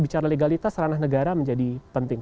bicara legalitas ranah negara menjadi penting